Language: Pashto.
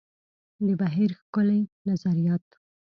د بهیر ښکلي نظریات.